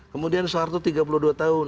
kemudian soeharto tiga puluh dua tahun